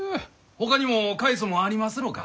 ほかにも返すもんありますろうか？